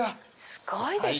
すごいでしょ？